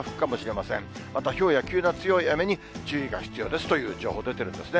また、ひょうや急な強い雨に注意が必要ですという情報出てるんですね。